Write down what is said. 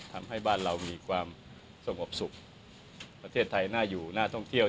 ทำให้บ้านเรามีความสงบสุขประเทศไทยน่าอยู่น่าท่องเที่ยว